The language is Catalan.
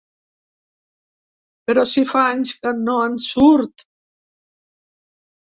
Però si fa anys que no en surt!